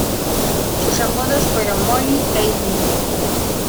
Sus apodos fueron "Molly" e "Iggy".